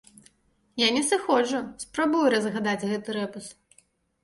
Я не сыходжу, спрабую разгадаць гэты рэбус.